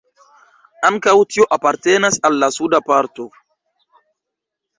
Ankaŭ tio apartenas al la suda parto.